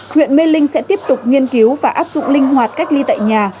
huyện mê linh sẽ tiếp tục nghiên cứu và áp dụng linh hoạt cách ly tại nhà